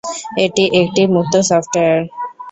এটি একটি মুক্ত সফটওয়্যার।